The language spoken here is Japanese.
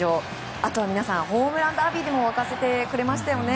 あとはホームランダービーでも沸かせてくれましたよね。